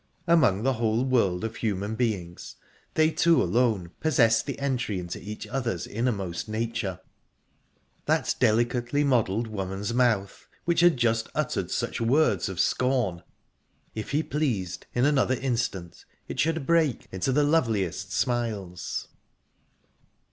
Among the whole world of human beings, they two alone possessed the entry into each other's innermost nature...That delicately modelled woman's mouth, which had just uttered such words of scorn if he pleased, in another instant it should break into the loveliest smiles...